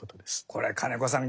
これ金子さん